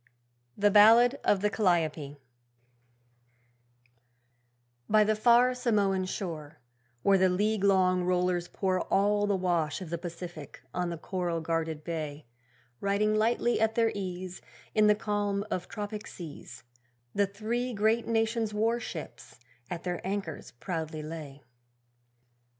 The Ballad of the 'Calliope' By the far Samoan shore, Where the league long rollers pour All the wash of the Pacific on the coral guarded bay, Riding lightly at their ease, In the calm of tropic seas, The three great nations' warships at their anchors proudly lay.